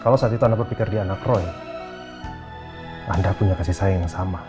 kalau saat itu anda berpikir dia anak roy anda punya kasih sayang yang sama